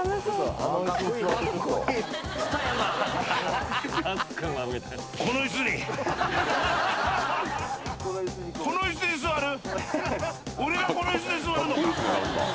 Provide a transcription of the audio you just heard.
俺がこのイスに座るのか？